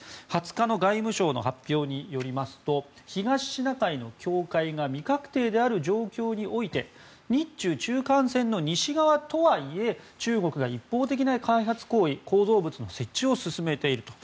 ２０日の外務省の発表によりますと東シナ海の境界が未確定である状況において日中中間線の西側とはいえ中国が一方的な開発行為構造物の設置を進めていると。